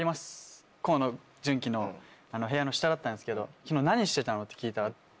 河野純喜の部屋の下だったんですけど「昨日何してたの？」って聞いたら。